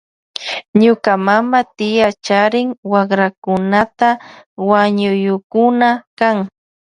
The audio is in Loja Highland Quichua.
Ñuka mama tia charin wakrakunata ñañuyukuna kan.